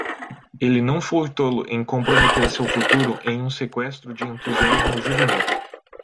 Ele não foi tolo em comprometer seu futuro em um seqüestro de entusiasmo juvenil.